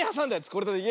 これだね。